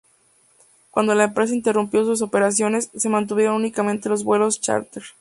Cuando la empresa interrumpió sus operaciones, se mantuvieron únicamente los vuelos chárter.